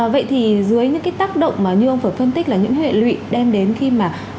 vậy thì dưới những cái tác động mà như ông vừa phân tích là những hệ lụy đem đến khi mà